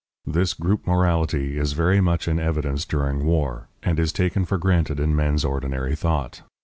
This group morality is very much in evidence during war, and is taken for granted in men's ordinary thought.